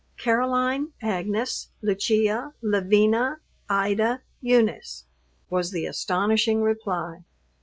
"Caroline Agnes Lucia Lavina Ida Eunice," was the astonishing reply.